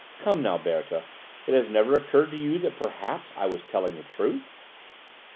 Come now, Berthe, has it never occurred to you that perhaps I was telling the truth?"